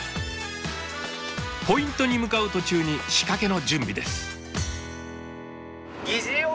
ポイントに向かう途中に仕掛けの準備です。